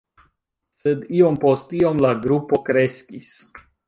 Sed iom post iom la grupo kreskis.